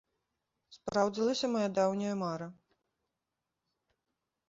Спраўдзілася мая даўняя мара.